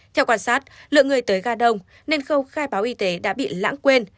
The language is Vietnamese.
theo quan sát lượng người tới ga đông nên khâu khai báo y tế đã bị lãng quên